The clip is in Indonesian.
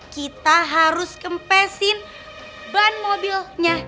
kita harus kempesin ban mobilnya